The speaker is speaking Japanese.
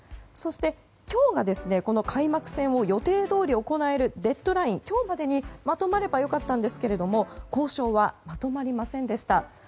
そして、今日が開幕戦を予定どおり行えるデッドライン、今日までにまとまれば良かったんですけど交渉は、まとまりませんでした。